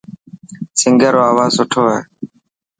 سنگار رو آواز سٺو هي.